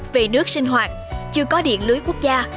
vì nước sinh hoạt chưa có điện lưới quốc gia